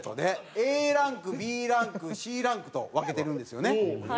ＡランクＢランクＣランクと分けてるんですよね。